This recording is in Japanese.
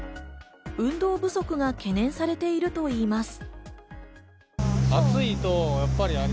運動不足が懸念されているといいます。